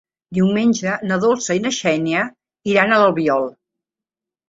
Diumenge na Dolça i na Xènia iran a l'Albiol.